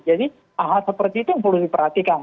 jadi hal hal seperti itu yang perlu diperhatikan